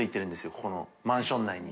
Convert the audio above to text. ここのマンション内に。